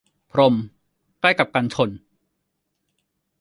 พรมใกล้กับกันชน